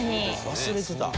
忘れてた。